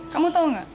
kamu tau gak